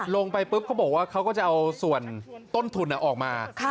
ลงไปปุ๊บเขาบอกว่าเขาก็จะเอาส่วนต้นทุนออกมา